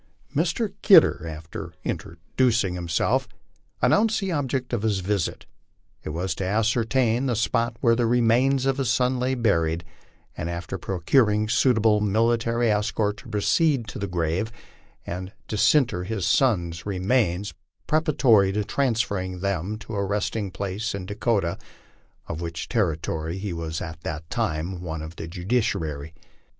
Mr. Kidder, after introducing himself, announced the object of his visit; it was to ascertain the spot where the remains of his son lay buried, and, after procuring suitable military escort to proceed to the grave and disinter his son's remains preparatory to transferring them to a resting place in Dakota, of which terri tory he was at that time one of the judiciary.